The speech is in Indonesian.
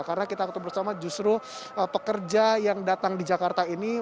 karena kita ketemu bersama justru pekerja yang datang di jakarta ini